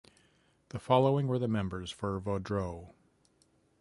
The following were the members for Vaudreuil.